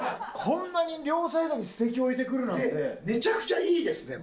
こんなに両サイドにすてき置いてくるなんて。でめちゃくちゃいいですねこれ。